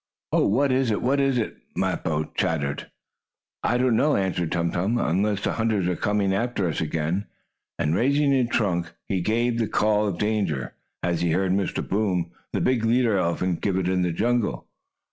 "Oh, what is it? What is it?" Mappo chattered. "I don't know," answered Tum Tum, "unless the hunters are coming after us again," and, raising his trunk, he gave the call of danger, as he had heard Mr. Boom, the big leader elephant, give it in the jungle.